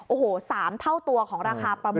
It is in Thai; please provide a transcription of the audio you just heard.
โอ้โหสามเท่าตัวของราคาประมูล